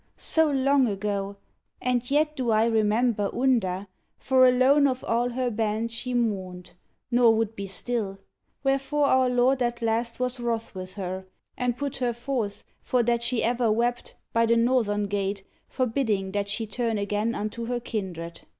So long ago I And yet Do I remember Unda, for alone Of all her band she mourned, nor would be still; Wherefore our lord at last was wroth with her And put her forth, for that she ever wept, By the northern gate, forbidding that she turn Again unto her kindred.